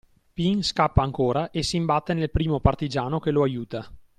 Pin scappa ancora e si imbatte nel primo partigiano che lo aiuta